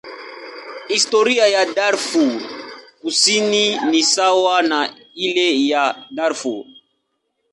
Historia ya Darfur Kusini ni sawa na ile ya Darfur.